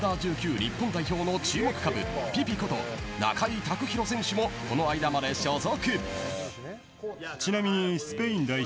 日本代表の注目株中井卓大選手もこの間まで所属。